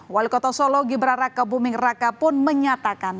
wali kota solo gibraka bumingraka pun menyatakan